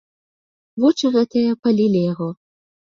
Вочы гэтыя палілі яго.